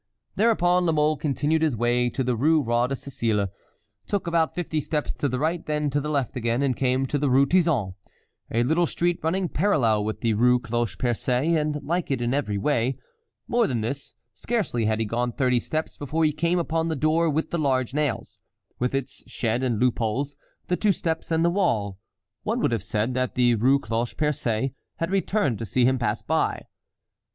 Thereupon La Mole continued his way to the Rue Roi de Sicile, took about fifty steps to the right, then to the left again, and came to the Rue Tizon, a little street running parallel with the Rue Cloche Percée, and like it in every way. More than this, scarcely had he gone thirty steps before he came upon the door with the large nails, with its shed and loop holes, the two steps and the wall. One would have said that the Rue Cloche Percée had returned to see him pass by.